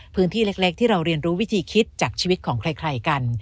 พื้นที่เล็กที่เราเรียนรู้วิธีคิดจากชีวิตของใครกัน